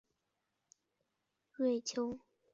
瑞秋宣称他最喜欢的电影是大片危险关系。